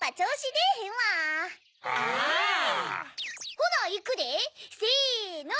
ほないくでせの！